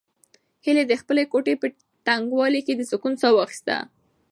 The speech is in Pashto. هیلې د خپلې کوټې په تنګوالي کې د سکون ساه واخیسته.